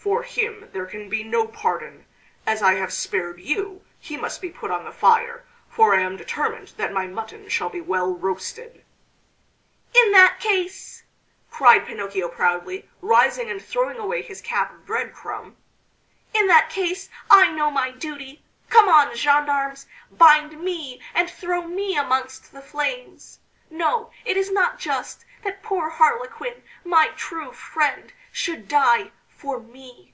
"For him there can be no pardon. As I have spared you he must be put on the fire, for I am determined that my mutton shall be well roasted." "In that case," cried Pinocchio proudly, rising and throwing away his cap of bread crumb "in that case I know my duty. Come on, gendarmes! Bind me and throw me amongst the flames. No, it is not just that poor Harlequin, my true friend, should die for me!"